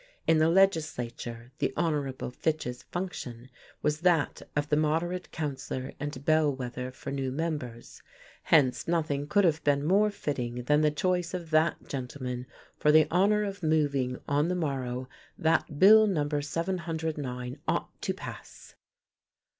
In the legislature, the Hon. Fitch's function was that of the moderate counsellor and bellwether for new members, hence nothing could have been more fitting than the choice of that gentleman for the honour of moving, on the morrow, that Bill No. 709 ought to pass.